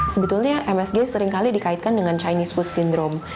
sebetulnya msg seringkali dikaitkan dengan chinese food syndrome